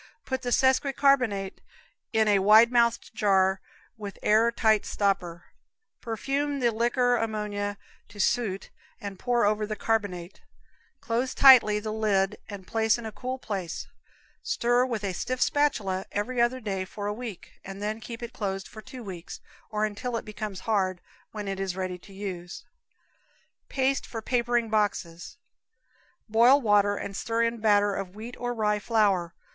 Put the sesqui carb. in a wide mouthed jar with air tight stopper, perfume the liquor ammonia to suit and pour over the carbonate; close tightly the lid and place in a cool place; stir with a stiff spatula every other day for a week, and then keep it closed for two weeks, or until it becomes hard, when it is ready for use. Paste for Papering Boxes. Boil water and stir in batter of wheat or rye flour.